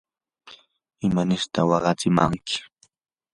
¿imanirta waqachimanki?